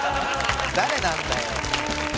誰なんだよ！